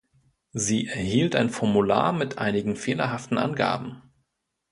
Sie erhielt ein Formular mit einigen fehlerhaften Angaben.